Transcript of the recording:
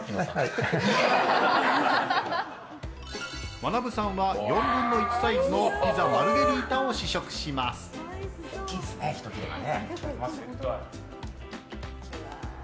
まなぶさんは４分の１サイズのピザマルゲリータを大きいですね、１切れがね。